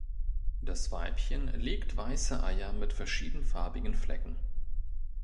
Das Weibchen legt weiße Eier mit verschiedenfarbigen Flecken.